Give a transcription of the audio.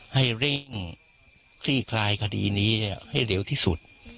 ให้เร่งคลี่คลายคดีนี้ให้เร็วที่สุด